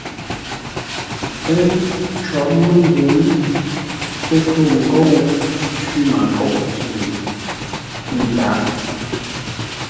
Ə́ ncwôr məngwûŋ; pə́ tô ńgôu cwímənkoʼ tʉ̌. Ə́ ndǎghʼ.